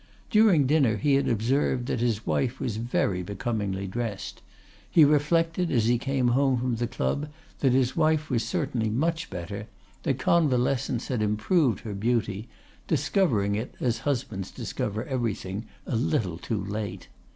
During dinner he had observed that his wife was very becomingly dressed; he reflected as he came home from the club that his wife was certainly much better, that convalescence had improved her beauty, discovering it, as husbands discover everything, a little too late.